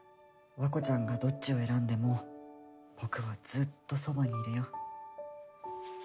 和子ちゃんがどっちを選んでも僕はずっとそばにいるよ。